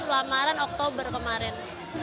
lamaran oktober kemarin